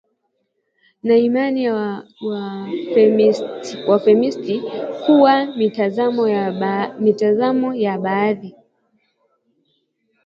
na imani ya wafeministi kuwa mitazamo ya baadhi